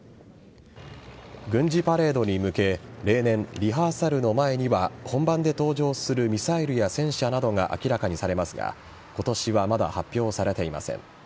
軍事パレードに向け例年、リハーサルの前には本番で登場するミサイルや戦車などが明らかにされますが今年は、まだ発表されていません。